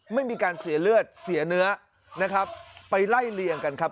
ไม่มีการเสียเลือดเสียเนื้อนะครับไปไล่เลี่ยงกันครับ